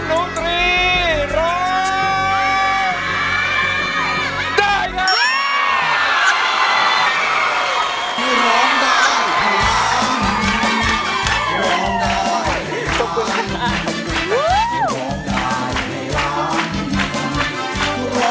คุณนุทรีร้อนได้แล้ว